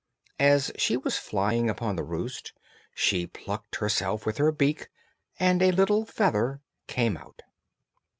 As she was flying upon the roost, she plucked herself with her beak, and a little feather came out.